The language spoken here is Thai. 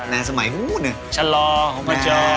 ในสมัยชะลอโฮมาจร